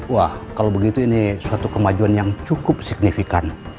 wah kalau begitu ini suatu kemajuan yang cukup signifikan